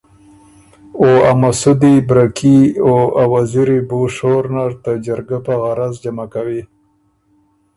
او ا مسُودی، بره کي او ا وزیری بُو شور نر ته جرګه په غرض جمع کوی